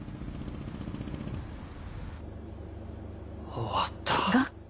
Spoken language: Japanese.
終わった